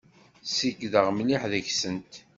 Ssikkdeɣ mliḥ deg-sent.